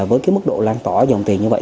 với cái mức độ lan tỏa dòng tiền như vậy